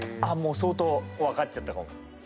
もう相当分かっちゃったかも。